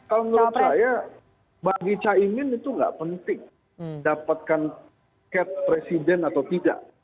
kalau menurut saya bagi cahimin itu gak penting dapetkan tiket presiden atau tidak